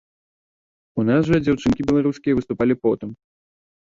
У нас жа дзяўчынкі беларускія выступалі потым.